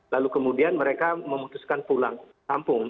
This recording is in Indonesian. lalu kemudian mereka memutuskan pulang kampung